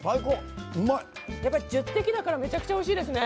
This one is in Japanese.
１０滴だからめちゃくちゃおいしいですね。